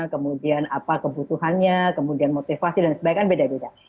kemudian apa kebutuhannya kemudian motivasi dan sebagainya kan beda beda